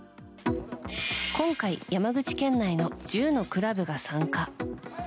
今回、山口県内の１０のクラブが参加。